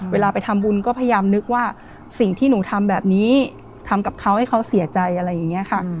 เวลาไปทำบุญก็พยายามนึกว่าสิ่งที่หนูทำแบบนี้ทำกับเขาให้เขาเสียใจอะไรอย่างนี้ค่ะ